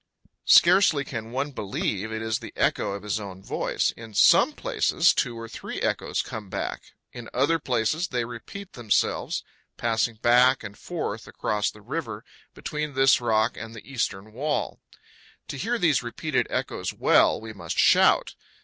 Scarcely can one believe it is the echo of his own voice. In some places two or three echoes come back; in other places they repeat themselves, passing back and forth across the river between this rock and the eastern wall. To hear these repeated echoes well, we must shout.